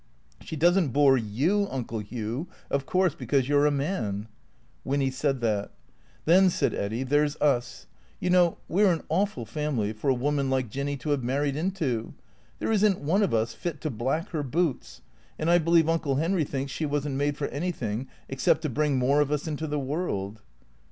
" She does n't bore you, Uncle Hugh, of course, because you 're a man." (Winny said that.) " Then," said Eddy, " there 's us. You know, we 're an awful family for a woman like Jinny to have married into. There is n't one of us fit to black her boots. And I believe Uncle Henry thinks she was n't made for anything except to bring more of us into the world."